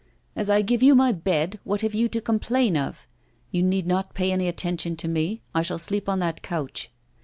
'As I give you my bed, what have you to complain of? You need not pay any attention to me. I shall sleep on that couch.